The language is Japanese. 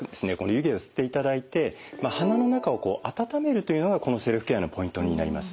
湯気を吸っていただいて鼻の中を温めるというのがこのセルフケアのポイントになります。